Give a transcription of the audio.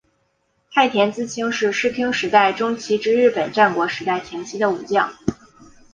太田资清是室町时代中期至日本战国时代前期的武将。